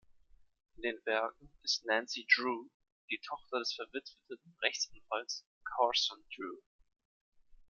In den Werken ist Nancy Drew die Tochter des verwitweten Rechtsanwalts Carson Drew.